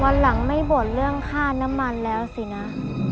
วันหลังไม่บ่นเรื่องค่าน้ำมันแล้วสินะ